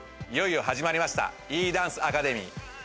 いよいよはじまりましたＥダンスアカデミー。